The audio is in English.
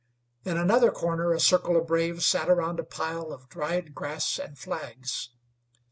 In another corner a circle of braves sat around a pile of dried grass and flags.